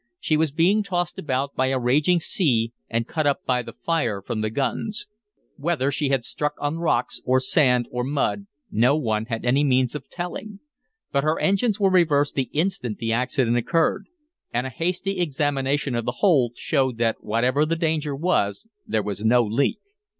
She was being tossed about by a raging sea and cut up by the fire from the guns. Whether she had struck on rocks or sand or mud no one had any means of telling. But her engines were reversed the instant the accident occurred. And a hasty examination of the hold showed that whatever the danger was there was no leak.